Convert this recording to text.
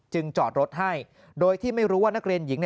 จอดรถให้โดยที่ไม่รู้ว่านักเรียนหญิง